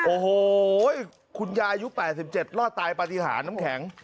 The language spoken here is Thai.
โอ้โหคุณยายอายุ๘๗รอดตายปฏิหารน้ำแข็ง